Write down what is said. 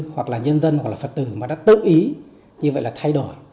hoặc là nhân dân hoặc là phật tử mà đã tự ý như vậy là thay đổi